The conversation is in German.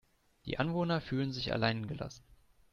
Die Anwohner fühlen sich allein gelassen.